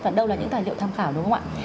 và đâu là những tài liệu tham khảo đúng không ạ